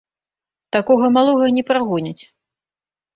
Такога малога не прагоняць.